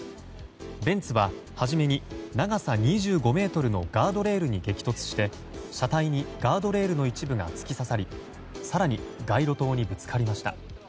ベンツは初めに長さ２５ｍのガードレールに激突して車体にガードレールの一部が突き刺さり更に街路灯にぶつかりました。